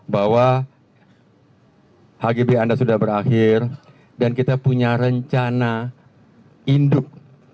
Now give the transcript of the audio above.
bahwa hgb anda sudah berakhir dan kita punya rencana induk